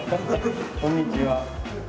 こんにちは。